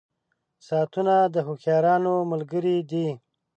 • ساعتونه د هوښیارانو ملګري دي.